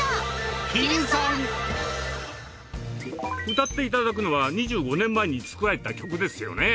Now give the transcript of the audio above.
歌っていただくのは２５年前に作られた曲ですよね？